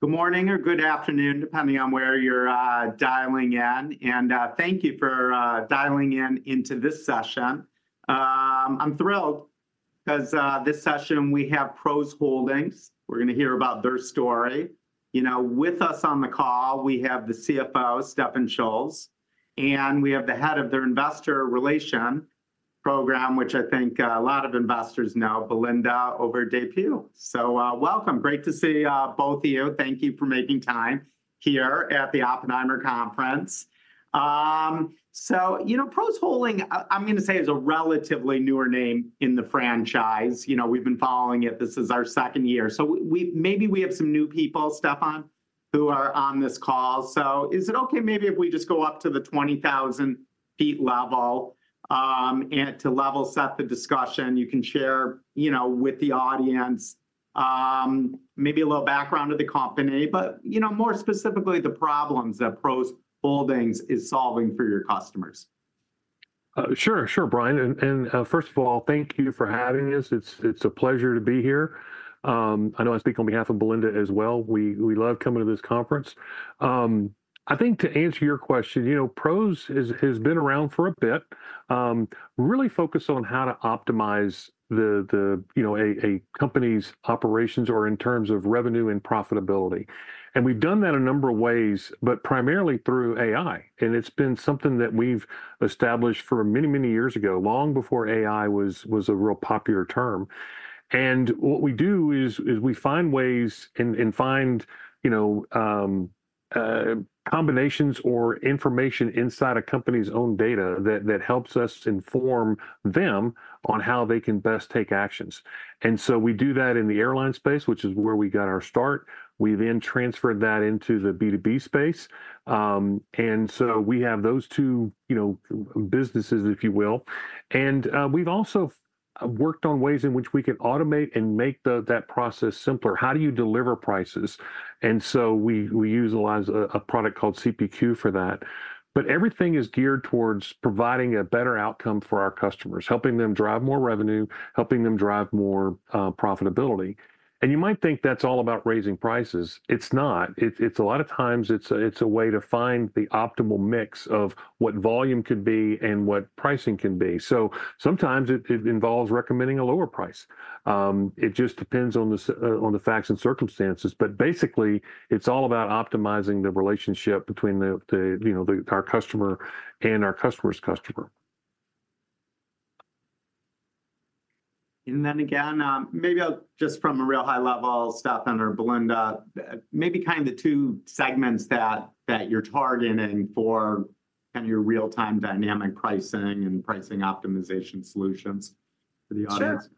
Good morning or good afternoon, depending on where you're dialing in, and thank you for dialing in into this session. I'm thrilled 'cause this session, we have PROS Holdings. We're gonna hear about their story. You know, with us on the call, we have the CFO, Stefan Schulz, and we have the Head of their Investor Relation program, which I think a lot of investors know, Belinda Overdeput. So, welcome. Great to see both of you. Thank you for making time here at the Oppenheimer Conference. So you know, PROS Holdings, I, I'm gonna say, is a relatively newer name in the franchise. You know, we've been following it. This is our second year. So maybe we have some new people, Stefan, who are on this call. Is it okay maybe if we just go up to the 20,000 ft level, and to level-set the discussion? You can share, you know, with the audience, maybe a little background of the company, but, you know, more specifically, the problems that PROS Holdings is solving for your customers. Sure, sure, Brian, first of all, thank you for having us. It's a pleasure to be here. I know I speak on behalf of Belinda as well. We love coming to this conference. I think to answer your question, you know, PROS has been around for a bit, really focused on how to optimize the, you know, a company's operations or in terms of revenue and profitability, and we've done that a number of ways, but primarily through AI, and it's been something that we've established for many, many years ago, long before AI was a real popular term. What we do is we find ways and find, you know, combinations or information inside a company's own data that helps us inform them on how they can best take actions. And so we do that in the airline space, which is where we got our start. We then transferred that into the B2B space. And so we have those two, you know, businesses, if you will, and we've also worked on ways in which we can automate and make that process simpler. How do you deliver prices? And so we utilize a product called CPQ for that, but everything is geared towards providing a better outcome for our customers, helping them drive more revenue, helping them drive more profitability, and you might think that's all about raising prices. It's not. It's a lot of times, it's a way to find the optimal mix of what volume could be and what pricing can be, so sometimes it involves recommending a lower price. It just depends on the facts and circumstances, but basically, it's all about optimizing the relationship between the, you know, our customer and our customer's customer. And then again, maybe, just from a real high level, Stefan or Belinda, maybe kind of the two segments that you're targeting for kind of your real-time dynamic pricing and pricing optimization solutions for the audience. Sure.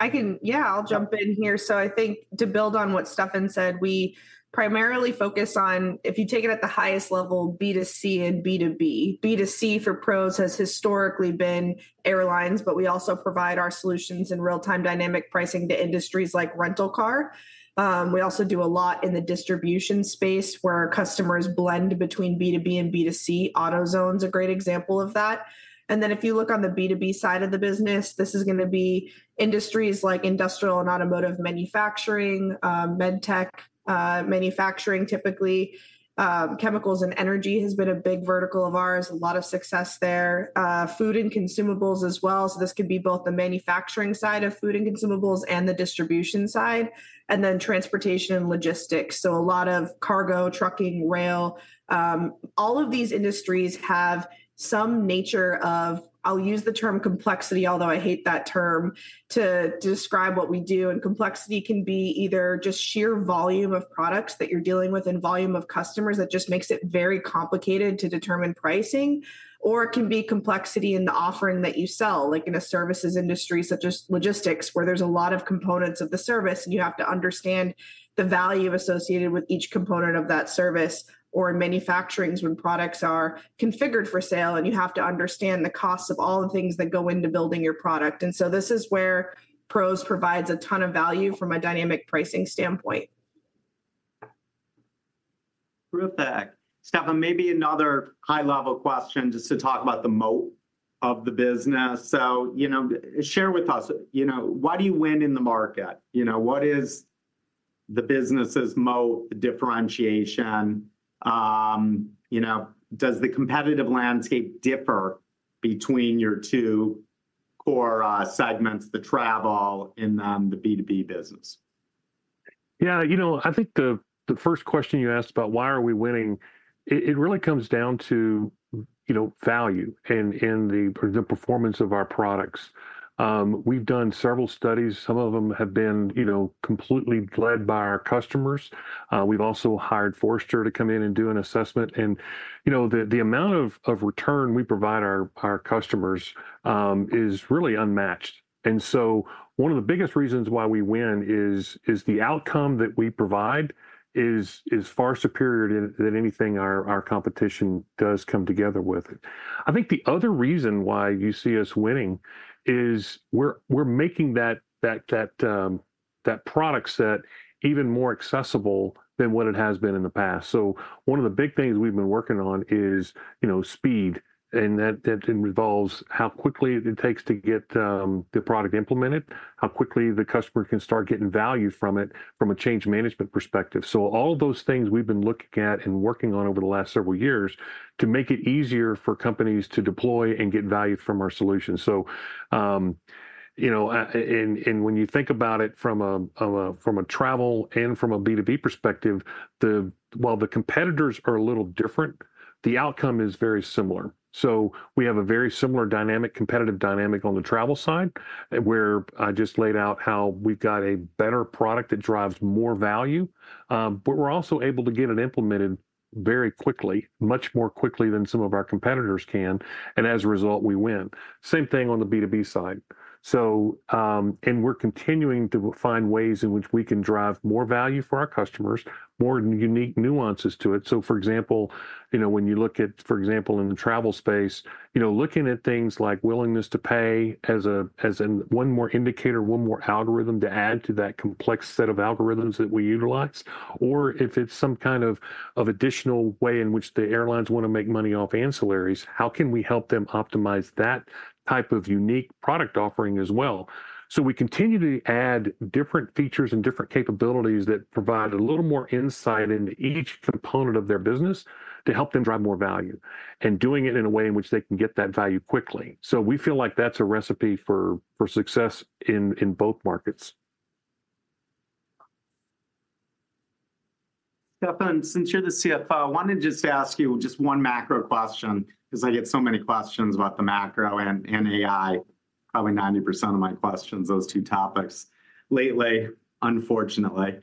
I can. Yeah, I'll jump in here. So I think to build on what Stefan said, we primarily focus on, if you take it at the highest level, B2C and B2B. B2C for PROS has historically been airlines, but we also provide our solutions and real-time dynamic pricing to industries like rental car. We also do a lot in the distribution space, where our customers blend between B2B and B2C. AutoZone's a great example of that. And then if you look on the B2B side of the business, this is gonna be industries like industrial and automotive manufacturing, MedTech, manufacturing, typically. Chemicals and energy has been a big vertical of ours, a lot of success there. Food and consumables as well, so this could be both the manufacturing side of food and consumables and the distribution side, and then transportation and logistics, so a lot of cargo, trucking, rail. All of these industries have some nature of, I'll use the term complexity, although I hate that term, to describe what we do, and complexity can be either just sheer volume of products that you're dealing with and volume of customers that just makes it very complicated to determine pricing, or it can be complexity in the offering that you sell, like in a services industry, such as logistics, where there's a lot of components of the service, and you have to understand the value associated with each component of that service. Or in manufacturing, it's when products are configured for sale, and you have to understand the cost of all the things that go into building your product, and so this is where PROS provides a ton of value from a dynamic pricing standpoint. Perfect. Stefan, maybe another high-level question, just to talk about the moat of the business. So, you know, share with us, you know, why do you win in the market? You know, what is the business's moat, the differentiation? You know, does the competitive landscape differ between your two core segments, the travel and the B2B business? Yeah, you know, I think the first question you asked about why are we winning, it really comes down to, you know, value and the performance of our products. We've done several studies. Some of them have been, you know, completely led by our customers. We've also hired Forrester to come in and do an assessment, and, you know, the amount of return we provide our customers is really unmatched. And so one of the biggest reasons why we win is the outcome that we provide is far superior than anything our competition does come together with. I think the other reason why you see us winning is we're making that product set even more accessible than what it has been in the past. So one of the big things we've been working on is, you know, speed, and that involves how quickly it takes to get the product implemented, how quickly the customer can start getting value from it from a change management perspective. So all of those things we've been looking at and working on over the last several years to make it easier for companies to deploy and get value from our solution. So, you know, and when you think about it from a travel and from a B2B perspective, while the competitors are a little different, the outcome is very similar. So we have a very similar dynamic, competitive dynamic on the travel side, where I just laid out how we've got a better product that drives more value, but we're also able to get it implemented very quickly, much more quickly than some of our competitors can, and as a result, we win. Same thing on the B2B side. So, and we're continuing to find ways in which we can drive more value for our customers, more unique nuances to it. So, for example, you know, when you look at, for example, in the travel space, you know, looking at things like willingness to pay as a one more indicator, one more algorithm to add to that complex set of algorithms that we utilize, or if it's some kind of additional way in which the airlines want to make money off ancillaries, how can we help them optimize that type of unique product offering as well? So we continue to add different features and different capabilities that provide a little more insight into each component of their business to help them drive more value, and doing it in a way in which they can get that value quickly. So we feel like that's a recipe for success in both markets. Stefan, since you're the CFO, I wanted to just ask you just one macro question, because I get so many questions about the macro and AI, probably 90% of my questions, those two topics, lately, unfortunately.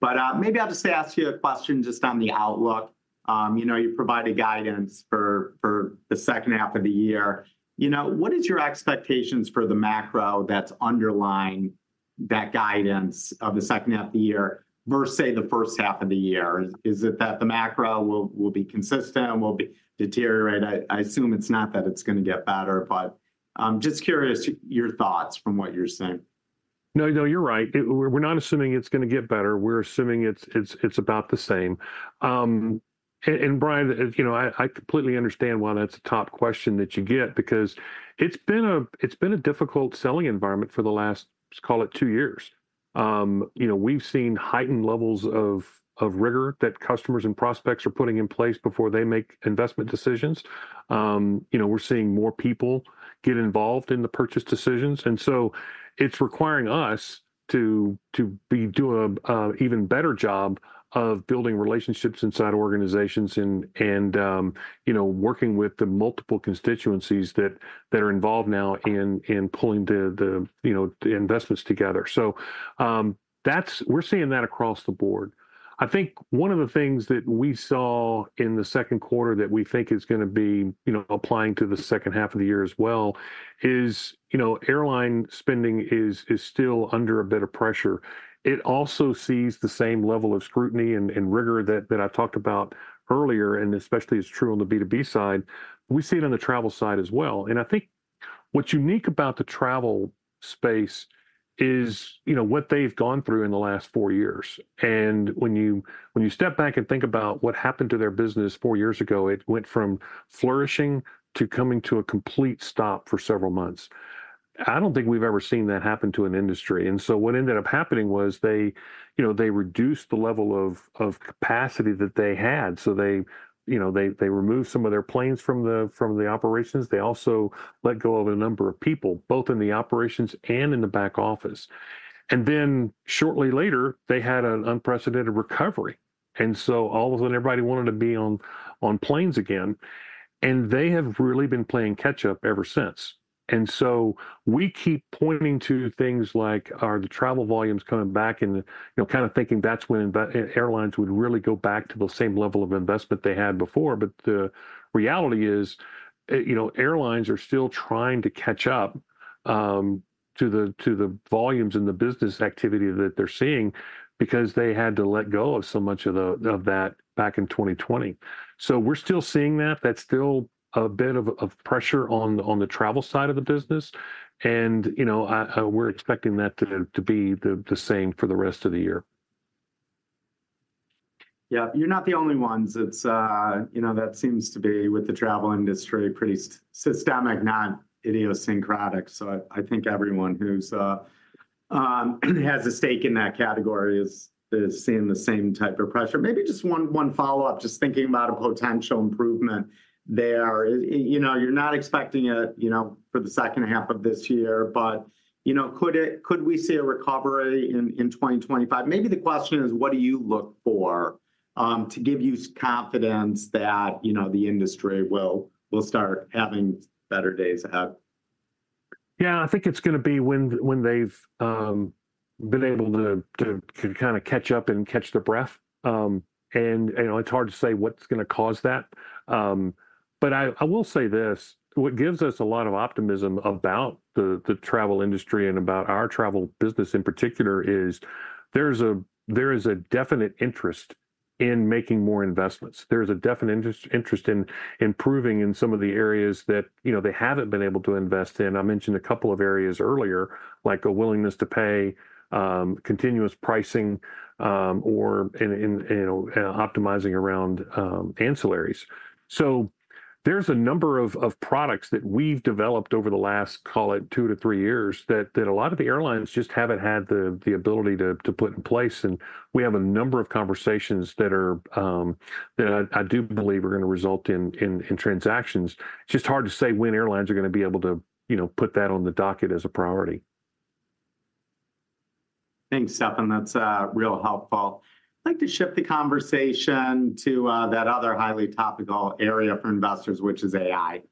But, maybe I'll just ask you a question just on the outlook. You know, you provided guidance for the second half of the year. You know, what is your expectations for the macro that's underlying that guidance of the second half of the year versus, say, the first half of the year? Is it that the macro will be consistent and will be deteriorated? I assume it's not that it's gonna get better, but, just curious your thoughts from what you're seeing. No, no, you're right. We're not assuming it's gonna get better. We're assuming it's about the same. And Brian, you know, I completely understand why that's a top question that you get, because it's been a difficult selling environment for the last, let's call it, two years. You know, we've seen heightened levels of rigor that customers and prospects are putting in place before they make investment decisions. You know, we're seeing more people get involved in the purchase decisions, and so it's requiring us to do an even better job of building relationships inside organizations and, you know, working with the multiple constituencies that are involved now in pulling the investments together. So, that's—we're seeing that across the board. I think one of the things that we saw in the second quarter that we think is gonna be, you know, applying to the second half of the year as well is, you know, airline spending is still under a bit of pressure. It also sees the same level of scrutiny and rigor that I talked about earlier, and especially is true on the B2B side. We see it on the travel side as well. And I think what's unique about the travel space is, you know, what they've gone through in the last four years. And when you step back and think about what happened to their business four years ago, it went from flourishing to coming to a complete stop for several months. I don't think we've ever seen that happen to an industry. And so what ended up happening was they, you know, they reduced the level of, of capacity that they had. So they, you know, they, they removed some of their planes from the, from the operations. They also let go of a number of people, both in the operations and in the back office. And then, shortly later, they had an unprecedented recovery. And so all of a sudden, everybody wanted to be on, on planes again, and they have really been playing catch-up ever since. And so we keep pointing to things like, are the travel volumes coming back? And, you know, kind of thinking that's when in, airlines would really go back to the same level of investment they had before. But the reality is, you know, airlines are still trying to catch up to the volumes and the business activity that they're seeing because they had to let go of so much of that back in 2020. So we're still seeing that. That's still a bit of pressure on the travel side of the business. And, you know, I, we're expecting that to be the same for the rest of the year. Yeah, you're not the only ones. It's, you know, that seems to be, with the travel industry, pretty systemic, not idiosyncratic. So I think everyone who's has a stake in that category is seeing the same type of pressure. Maybe just one follow-up, just thinking about a potential improvement there. You know, you're not expecting it, you know, for the second half of this year, but, you know, could we see a recovery in 2025? Maybe the question is, what do you look for to give you confidence that, you know, the industry will start having better days ahead? Yeah, I think it's gonna be when they've been able to kind of catch up and catch their breath. And, you know, it's hard to say what's gonna cause that. But I will say this: What gives us a lot of optimism about the travel industry and about our travel business, in particular, is there is a definite interest in making more investments. There's a definite interest in improving in some of the areas that, you know, they haven't been able to invest in. I mentioned a couple of areas earlier, like a willingness to pay, continuous pricing, or and, you know, optimizing around ancillaries. So there's a number of products that we've developed over the last, call it, two to three years, that a lot of the airlines just haven't had the ability to put in place, and we have a number of conversations that I do believe are gonna result in transactions. It's just hard to say when airlines are gonna be able to, you know, put that on the docket as a priority. Thanks, Stefan. That's real helpful. I'd like to shift the conversation to that other highly topical area for investors, which is AI.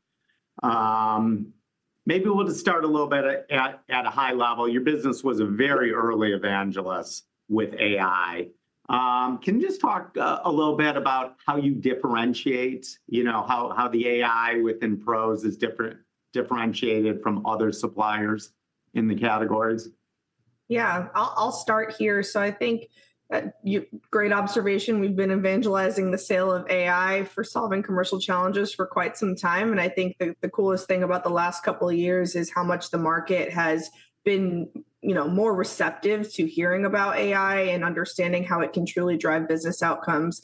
Maybe we'll just start a little bit at a high level. Your business was a very early evangelist with AI. Can you just talk a little bit about how you differentiate, you know, the AI within PROS is different-differentiated from other suppliers in the categories? Yeah. I'll, I'll start here. So I think, great observation. We've been evangelizing the sale of AI for solving commercial challenges for quite some time, and I think the coolest thing about the last couple of years is how much the market has been, you know, more receptive to hearing about AI and understanding how it can truly drive business outcomes.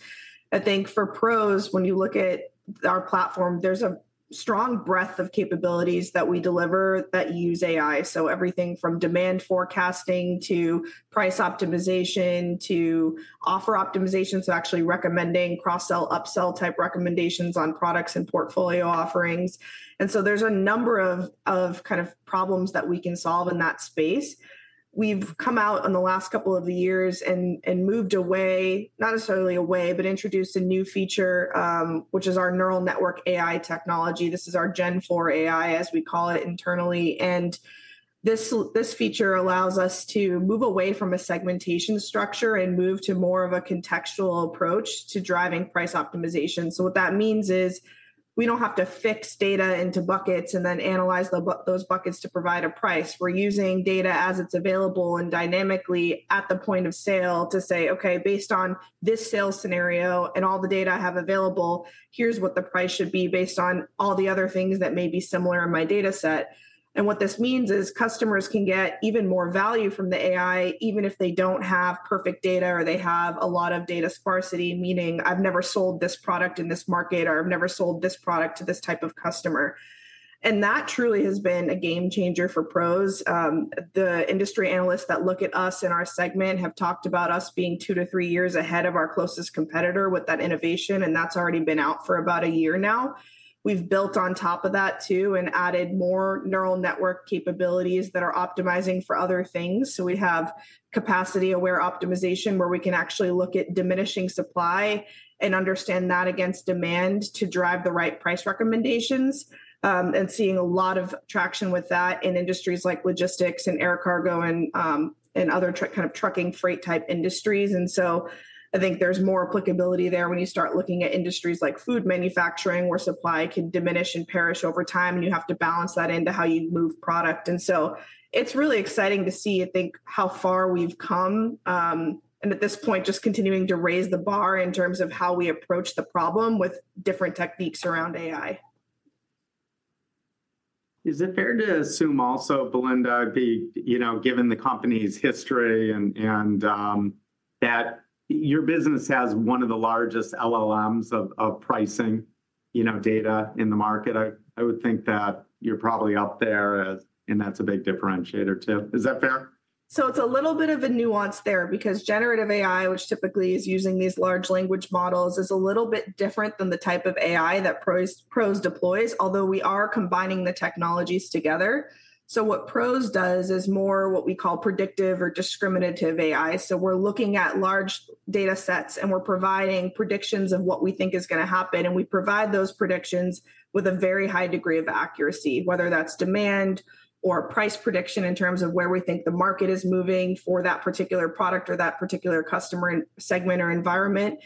I think for PROS, when you look at our platform, there's a strong breadth of capabilities that we deliver that use AI. So everything from demand forecasting to price optimization to offer optimization, so actually recommending cross-sell, up-sell type recommendations on products and portfolio offerings. And so there's a number of kind of problems that we can solve in that space. We've come out in the last couple of years and moved away, not necessarily away, but introduced a new feature, which is our neural network AI technology. This is our Gen IV AI, as we call it internally, and this feature allows us to move away from a segmentation structure and move to more of a contextual approach to driving price optimization. So what that means is, we don't have to fix data into buckets and then analyze those buckets to provide a price. We're using data as it's available and dynamically at the point of sale to say, "Okay, based on this sales scenario and all the data I have available, here's what the price should be based on all the other things that may be similar in my data set." What this means is customers can get even more value from the AI, even if they don't have perfect data, or they have a lot of data sparsity, meaning I've never sold this product in this market, or I've never sold this product to this type of customer. That truly has been a game changer for PROS. The industry analysts that look at us and our segment have talked about us being two-three years ahead of our closest competitor with that innovation, and that's already been out for about a year now. We've built on top of that, too, and added more neural network capabilities that are optimizing for other things. So we have capacity-aware optimization, where we can actually look at diminishing supply and understand that against demand to drive the right price recommendations, and seeing a lot of traction with that in industries like logistics and air cargo and, and other truck- kind of trucking freight-type industries. And so I think there's more applicability there when you start looking at industries like food manufacturing, where supply can diminish and perish over time, and you have to balance that into how you move product. And so it's really exciting to see, I think, how far we've come, and at this point, just continuing to raise the bar in terms of how we approach the problem with different techniques around AI. Is it fair to assume also, Belinda, you know, given the company's history and that your business has one of the largest LLMs of pricing, you know, data in the market? I would think that you're probably up there as, and that's a big differentiator, too. Is that fair? So it's a little bit of a nuance there because generative AI, which typically is using these large language models, is a little bit different than the type of AI that PROS deploys, although we are combining the technologies together. So what PROS does is more what we call predictive or discriminative AI. So we're looking at large data sets, and we're providing predictions of what we think is gonna happen, and we provide those predictions with a very high degree of accuracy, whether that's demand or price prediction in terms of where we think the market is moving for that particular product or that particular customer and segment or environment.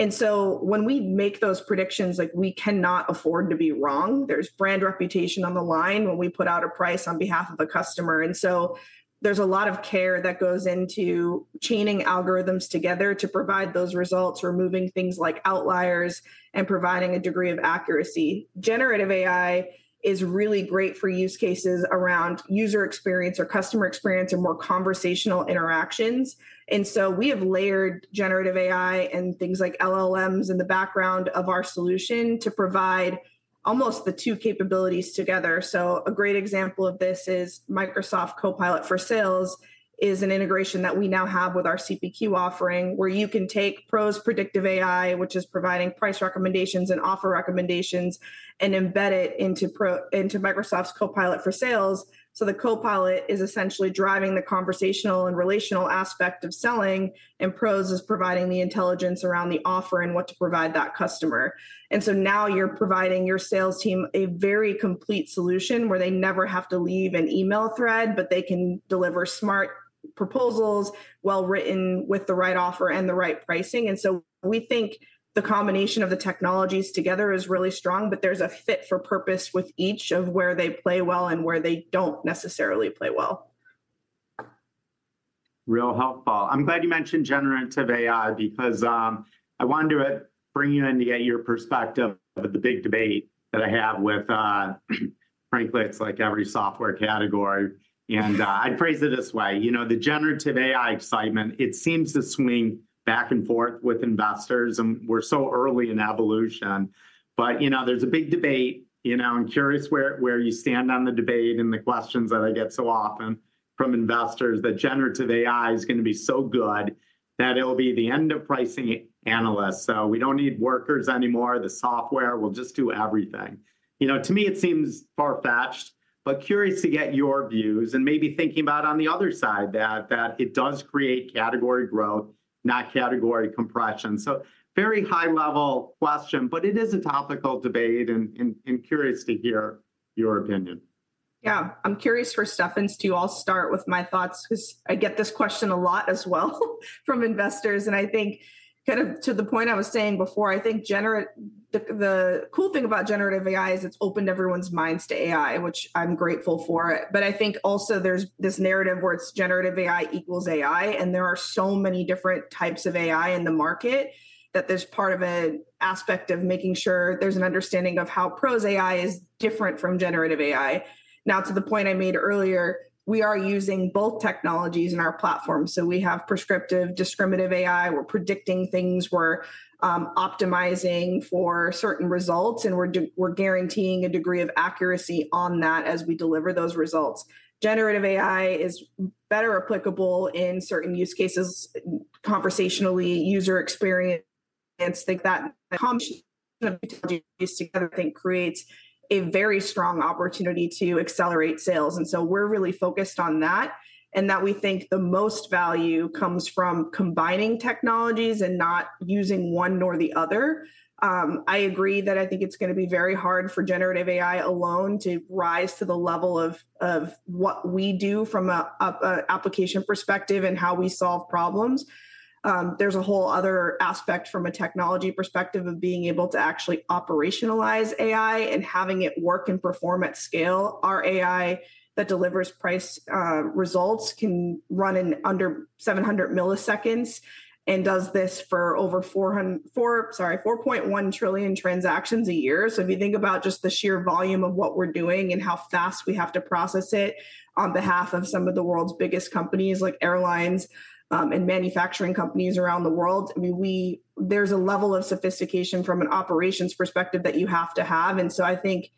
And so when we make those predictions, like, we cannot afford to be wrong. There's brand reputation on the line when we put out a price on behalf of a customer, and so there's a lot of care that goes into chaining algorithms together to provide those results. We're moving things like outliers and providing a degree of accuracy. Generative AI is really great for use cases around user experience or customer experience or more conversational interactions. And so we have layered generative AI and things like LLMs in the background of our solution to provide almost the two capabilities together. So a great example of this is Microsoft Copilot for Sales is an integration that we now have with our CPQ offering, where you can take PROS predictive AI, which is providing price recommendations and offer recommendations, and embed it into Microsoft's Copilot for Sales. So the Copilot is essentially driving the conversational and relational aspect of selling, and PROS is providing the intelligence around the offer and what to provide that customer. And so now you're providing your sales team a very complete solution, where they never have to leave an email thread, but they can deliver smart proposals, well written, with the right offer and the right pricing. And so we think the combination of the technologies together is really strong, but there's a fit for purpose with each of where they play well and where they don't necessarily play well. Really helpful. I'm glad you mentioned generative AI, because I wanted to bring you in to get your perspective of the big debate that I have with, frankly, it's like every software category. I'd phrase it this way, you know, the generative AI excitement, it seems to swing back and forth with investors, and we're so early in evolution. You know, there's a big debate, you know, I'm curious where you stand on the debate, and the questions that I get so often from investors that generative AI is gonna be so good that it'll be the end of pricing analysts. So we don't need workers anymore. The software will just do everything. You know, to me, it seems far-fetched, but curious to get your views, and maybe thinking about on the other side, that, that it does create category growth, not category compression. So very high level question, but it is a topical debate, and curious to hear your opinion. Yeah, I'm curious for Stefan's too. I'll start with my thoughts, 'cause I get this question a lot as well from investors, and I think kind of to the point I was saying before, I think the cool thing about generative AI is it's opened everyone's minds to AI, which I'm grateful for it. But I think also there's this narrative where it's generative AI equals AI, and there are so many different types of AI in the market, that there's part of a aspect of making sure there's an understanding of how PROS AI is different from generative AI. Now, to the point I made earlier, we are using both technologies in our platform. So we have prescriptive, discriminative AI, we're predicting things, we're optimizing for certain results, and we're guaranteeing a degree of accuracy on that as we deliver those results. Generative AI is better applicable in certain use cases, conversationally, user experience. I think that combination together I think creates a very strong opportunity to accelerate sales, and so we're really focused on that, and that we think the most value comes from combining technologies and not using one nor the other. I agree that I think it's gonna be very hard for generative AI alone to rise to the level of what we do from a application perspective and how we solve problems. There's a whole other aspect from a technology perspective of being able to actually operationalize AI and having it work and perform at scale. Our AI that delivers price results can run in under 700 ms, and does this for over 4.1 trillion transactions a year. So if you think about just the sheer volume of what we're doing and how fast we have to process it on behalf of some of the world's biggest companies, like airlines, and manufacturing companies around the world, I mean, there's a level of sophistication from an operations perspective that you have to have. And so I think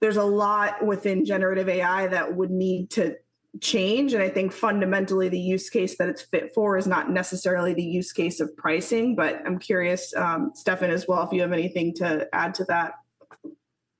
there's a lot within generative AI that would need to change, and I think fundamentally the use case that it's fit for is not necessarily the use case of pricing. But I'm curious, Stefan as well, if you have anything to add to that?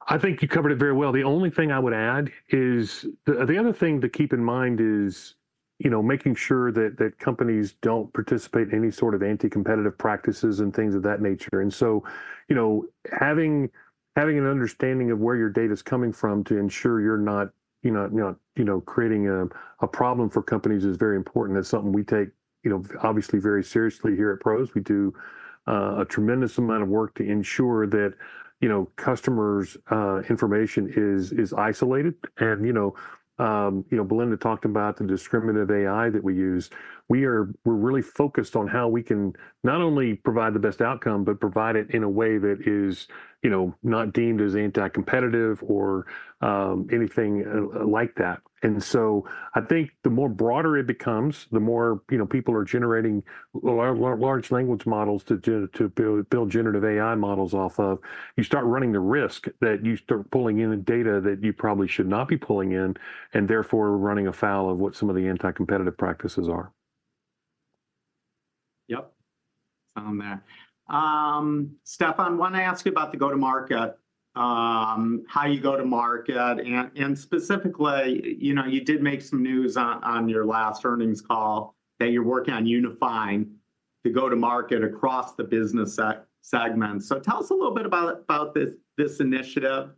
I think you covered it very well. The only thing I would add is, the other thing to keep in mind is, you know, making sure that companies don't participate in any sort of anti-competitive practices and things of that nature. And so, you know, having an understanding of where your data's coming from to ensure you're not, you know, creating a problem for companies is very important. That's something we take, you know, obviously, very seriously here at PROS. We do a tremendous amount of work to ensure that, you know, customers' information is isolated. And, you know, Belinda talked about the discriminative AI that we use. We're really focused on how we can not only provide the best outcome, but provide it in a way that is, you know, not deemed as anti-competitive or anything like that. And so I think the more broader it becomes, the more, you know, people are generating large language models to build generative AI models off of, you start running the risk that you start pulling in data that you probably should not be pulling in, and therefore running afoul of what some of the anti-competitive practices are. Yep, on that. Stefan, wanna ask you about the go-to-market, how you go to market. And specifically, you know, you did make some news on your last earnings call, that you're working on unifying the go-to-market across the business segment. So tell us a little bit about this initiative.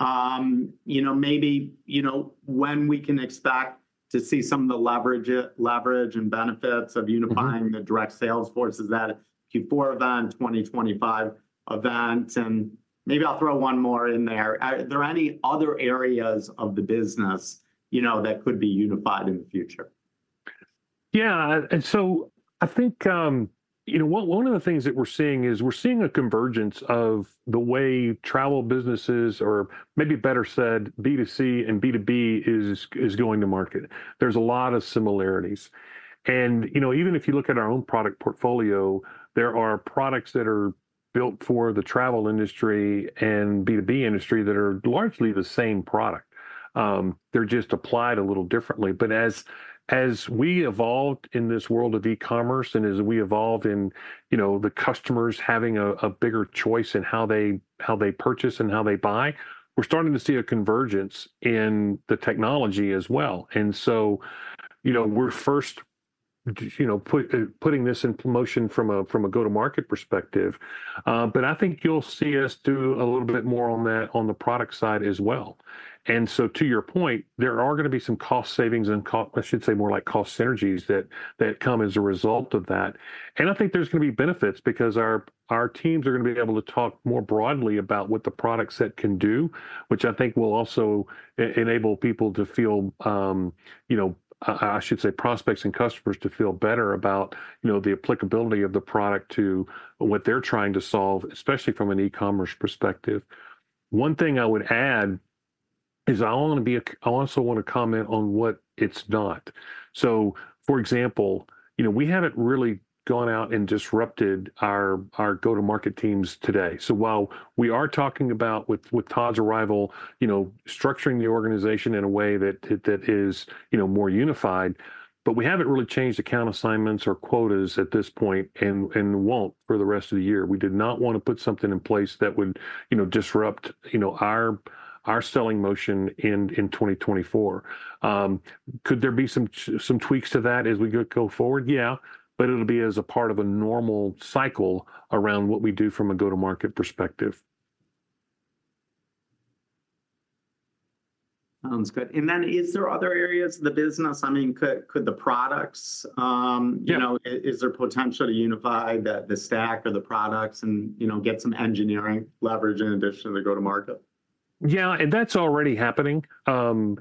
You know, maybe when we can expect to see some of the leverage and benefits of unifying? Mm-hmm. The direct sales forces, is that Q4 event, 2025 event? Maybe I'll throw one more in there. Are there any other areas of the business, you know, that could be unified in the future? Yeah. And so I think, you know, one of the things that we're seeing is we're seeing a convergence of the way travel businesses, or maybe better said, B2C and B2B, is going to market. There's a lot of similarities. And, you know, even if you look at our own product portfolio, there are products that are built for the travel industry and B2B industry that are largely the same product. They're just applied a little differently. But as we evolved in this world of e-commerce and as we evolved in, you know, the customers having a bigger choice in how they purchase and how they buy, we're starting to see a convergence in the technology as well. And so, you know, we're first you know putting this in promotion from a go-to-market perspective. But I think you'll see us do a little bit more on that, on the product side as well. And so to your point, there are gonna be some cost savings and, I should say, more like cost synergies that come as a result of that. And I think there's gonna be benefits because our teams are gonna be able to talk more broadly about what the product set can do, which I think will also enable people to feel, you know, I should say, prospects and customers to feel better about, you know, the applicability of the product to what they're trying to solve, especially from an e-commerce perspective. One thing I would add is I wanna be, I also wanna comment on what it's not. So, for example, you know, we haven't really gone out and disrupted our go-to-market teams today. So while we are talking about with Todd's arrival, you know, structuring the organization in a way that is, you know, more unified, but we haven't really changed account assignments or quotas at this point, and won't for the rest of the year. We did not want to put something in place that would, you know, disrupt, you know, our selling motion in 2024. Could there be some tweaks to that as we go forward? Yeah, but it'll be as a part of a normal cycle around what we do from a go-to-market perspective. Sounds good. And then is there other areas of the business? I mean, could the products. Yeah. You know, is there potential to unify the stack or the products and, you know, get some engineering leverage in addition to go-to-market? Yeah, and that's already happening. You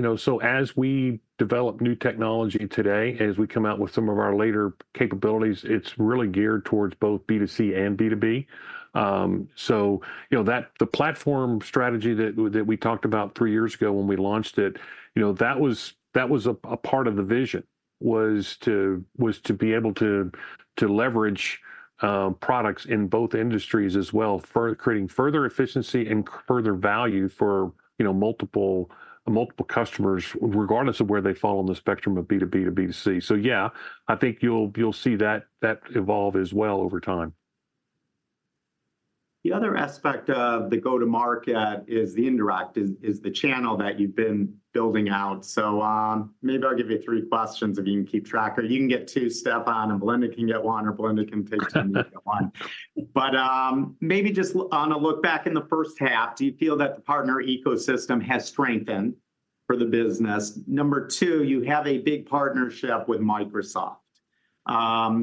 know, so as we develop new technology today, as we come out with some of our later capabilities, it's really geared towards both B2C and B2B. So you know, the platform strategy that we talked about three years ago when we launched it, you know, that was a part of the vision, to be able to leverage products in both industries as well, creating further efficiency and further value for, you know, multiple customers, regardless of where they fall on the spectrum of B2B to B2C. So yeah, I think you'll see that evolve as well over time. The other aspect of the go-to-market is the indirect channel that you've been building out. So, maybe I'll give you three questions if you can keep track, or you can get two, Stefan, and Belinda can get one, or Belinda can take two and you get one. But, maybe just on a look back in the first half, do you feel that the partner ecosystem has strengthened for the business? Number two, you have a big partnership with Microsoft.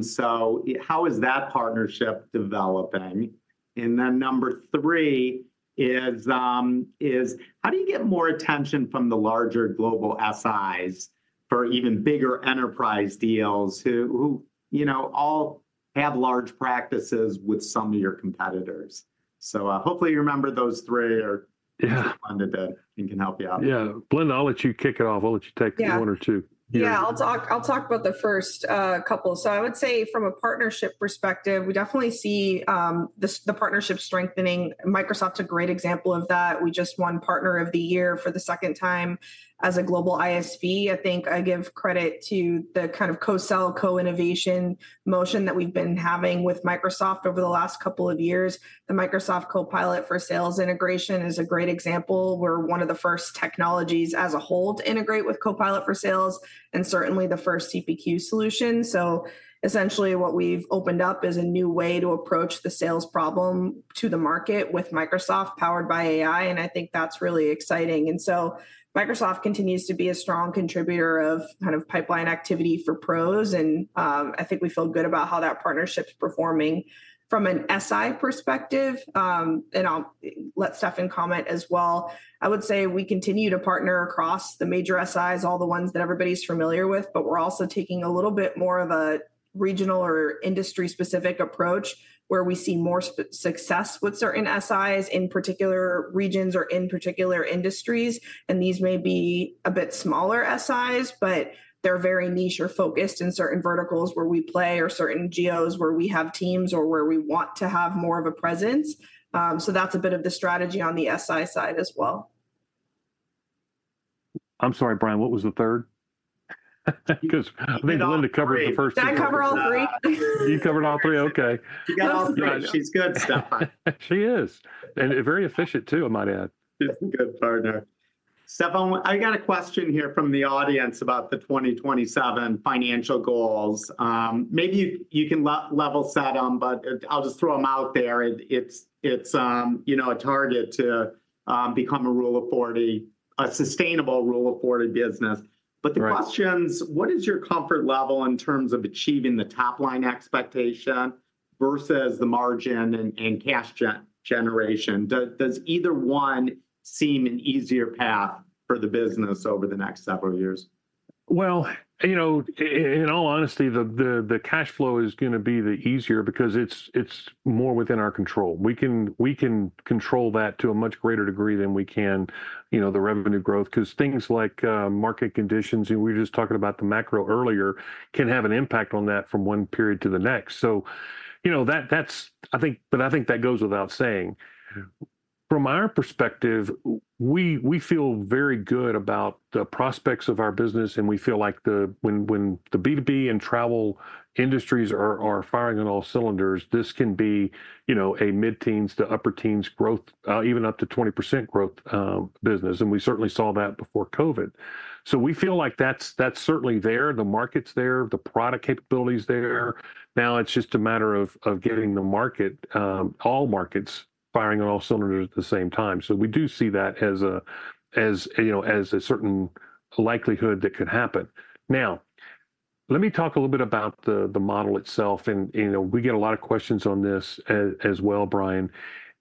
So how is that partnership developing? And then number three is how do you get more attention from the larger global SIs for even bigger enterprise deals, who you know all have large practices with some of your competitors? So, hopefully, you remember those three, or. Yeah. Belinda, and can help you out. Yeah. Belinda, I'll let you kick it off. I'll let you take. Yeah. One or two. Yeah. Yeah, I'll talk, I'll talk about the first couple. So I would say from a partnership perspective, we definitely see this, the partnership strengthening. Microsoft's a great example of that. We just won Partner of the Year for the second time as a Global ISV. I think I give credit to the kind of co-sell, co-innovation motion that we've been having with Microsoft over the last couple of years. The Microsoft Copilot for Sales integration is a great example. We're one of the first technologies as a whole to integrate with Copilot for Sales, and certainly the first CPQ solution. So essentially, what we've opened up is a new way to approach the sales problem to the market with Microsoft, powered by AI, and I think that's really exciting. And so Microsoft continues to be a strong contributor of kind of pipeline activity for PROS, and I think we feel good about how that partnership's performing. From an SI perspective, and I'll let Stefan comment as well, I would say we continue to partner across the major SIs, all the ones that everybody's familiar with, but we're also taking a little bit more of a regional or industry-specific approach, where we see more success with certain SIs in particular regions or in particular industries. And these may be a bit smaller SIs, but they're very niche or focused in certain verticals where we play or certain geos where we have teams or where we want to have more of a presence. So that's a bit of the strategy on the SI side as well. I'm sorry, Brian, what was the third? Because I think Belinda covered the first two. She covered all three. Did I cover all three? You covered all three? Okay. She got all three. Yes. She's good, Stefan. She is. And very efficient, too, I might add. She's a good partner. Stefan, I got a question here from the audience about the 2027 financial goals. Maybe you can level set them, but I'll just throw them out there. You know, a target to become a Rule of 40, a sustainable Rule of 40 business. Right. The questions: What is your comfort level in terms of achieving the top-line expectation versus the margin and cash generation? Does either one seem an easier path for the business over the next several years? Well, you know, in all honesty, the cash flow is gonna be the easier because it's more within our control. We can control that to a much greater degree than we can, you know, the revenue growth 'cause things like market conditions, and we were just talking about the macro earlier, can have an impact on that from one period to the next. So, you know, that, that's, I think. But I think that goes without saying. From our perspective, we feel very good about the prospects of our business, and we feel like when the B2B and travel industries are firing on all cylinders, this can be, you know, a mid-teens to upper teens growth, even up to 20% growth, business, and we certainly saw that before COVID. So we feel like that's, that's certainly there, the market's there, the product capability is there. Now, it's just a matter of, of getting the market, all markets firing on all cylinders at the same time. So we do see that as a, as, you know, as a certain likelihood that could happen. Now, let me talk a little bit about the, the model itself, and, you know, we get a lot of questions on this as well, Brian.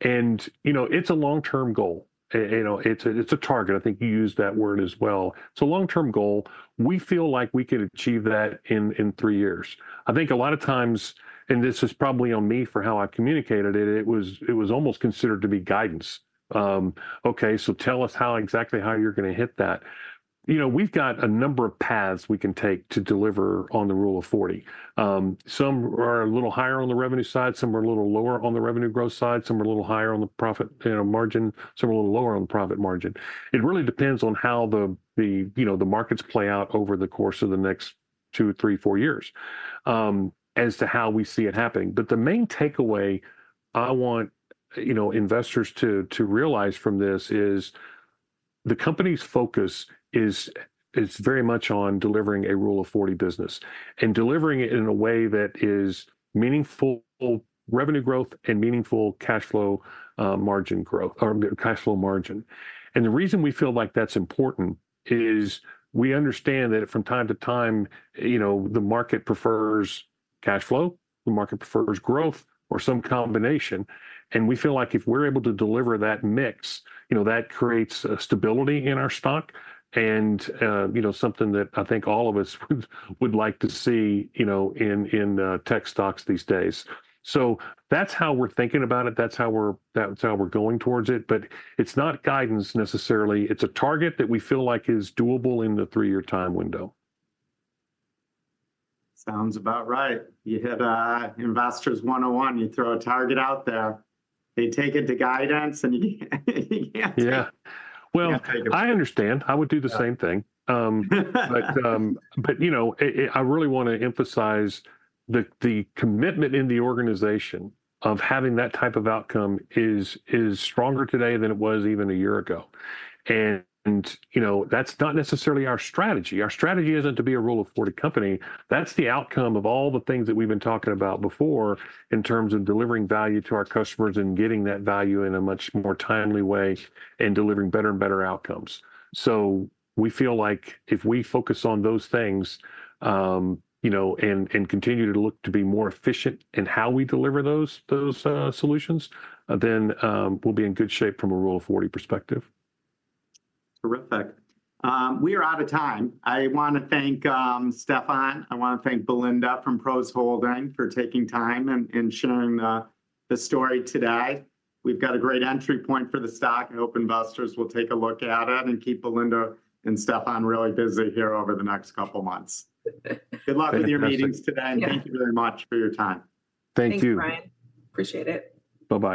And, you know, it's a long-term goal. You know, it's a, it's a target. I think you used that word as well. It's a long-term goal. We feel like we could achieve that in, in three years. I think a lot of times, and this is probably on me for how I communicated it, it was, it was almost considered to be guidance. "Okay, so tell us how exactly how you're gonna hit that." You know, we've got a number of paths we can take to deliver on the Rule of 40. Some are a little higher on the revenue side, some are a little lower on the revenue growth side, some are a little higher on the profit, you know, margin, some are a little lower on the profit margin. It really depends on how the you know the markets play out over the course of the next two, three, four years, as to how we see it happening. But the main takeaway I want you know investors to realize from this is the company's focus is very much on delivering a Rule of 40 business, and delivering it in a way that is meaningful revenue growth and meaningful cashflow margin growth or cashflow margin. The reason we feel like that's important is we understand that from time to time, you know, the market prefers cashflow, the market prefers growth or some combination, and we feel like if we're able to deliver that mix, you know, that creates a stability in our stock and, you know, something that I think all of us would like to see, you know, in tech stocks these days. So that's how we're thinking about it, that's how we're going towards it, but it's not guidance necessarily. It's a target that we feel like is doable in the three-year time window. Sounds about right. You hit, Investors 101, you throw a target out there, they take it to guidance, and you can't. Yeah. You can't take it. Well, I understand. I would do the same thing. Yeah. But you know, it, I really wanna emphasize the commitment in the organization of having that type of outcome is stronger today than it was even a year ago. You know, that's not necessarily our strategy. Our strategy isn't to be a Rule of 40 company. That's the outcome of all the things that we've been talking about before, in terms of delivering value to our customers and getting that value in a much more timely way and delivering better and better outcomes. So we feel like if we focus on those things, you know, and continue to look to be more efficient in how we deliver those solutions, then we'll be in good shape from a Rule of 40 perspective. Terrific. We are out of time. I wanna thank Stefan, I wanna thank Belinda from PROS Holdings, for taking time and, and sharing the story today. We've got a great entry point for the stock, and hope investors will take a look at it and keep Belinda and Stefan really busy here over the next couple of months. Thank you. Good luck with your meetings today. Yeah. And thank you very much for your time. Thank you. Thanks, Brian. Appreciate it. Bye-bye.